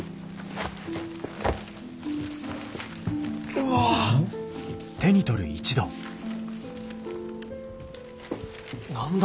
うわ！何だ？